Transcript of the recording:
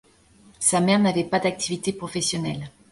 Sa mère n'avait pas d'activités professionnelles.